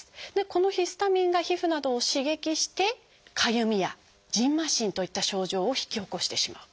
このヒスタミンが皮膚などを刺激して「かゆみ」や「じんましん」といった症状を引き起こしてしまう。